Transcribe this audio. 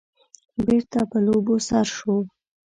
بېرته په لوبو سر شو.